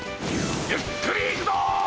ゆっくり行くぞ！